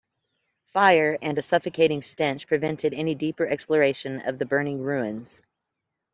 Fire and a suffocating stench prevented any deeper exploration of the burning ruins.